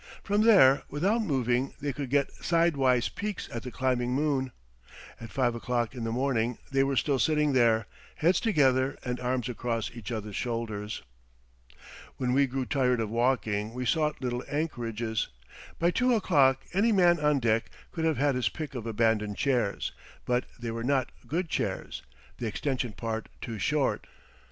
From there without moving they could get sidewise peeks at the climbing moon. At five o'clock in the morning they were still sitting there, heads together and arms across each other's shoulders. When we grew tired of walking we sought little anchorages. By two o'clock any man on deck could have had his pick of abandoned chairs, but they were not good chairs the extension part too short.